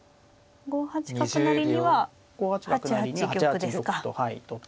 ５八角成には８八玉ですか。